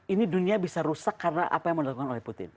ini dunia bisa rusak karena apa yang mau dilakukan oleh putin